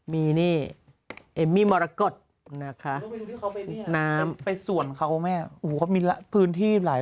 มีนี่เอมมี่มรกฏนะคะน้ำไปส่วนเขาแม่โอ้โหเขามีพื้นที่หลาย